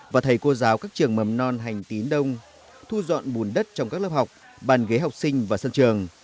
và thầy cô giáo các trường mầm non hành tín đông thu dọn bùn đất trong các lớp học bàn ghế học sinh và sân trường